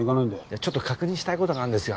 ちょっと確認したいことがあるんですよ。